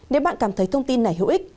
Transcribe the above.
nếu bạn cảm thấy thông tin này hữu ích